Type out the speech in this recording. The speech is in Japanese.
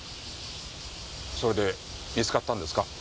それで見つかったんですか？